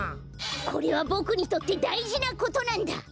これはボクにとってだいじなことなんだ！